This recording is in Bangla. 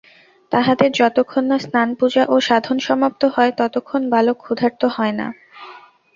তাহাদের যতক্ষণ না স্নান-পূজা ও সাধন সমাপ্ত হয়, ততক্ষণ বালক ক্ষুধার্ত হয় না।